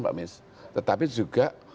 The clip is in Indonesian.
pak mis tetapi juga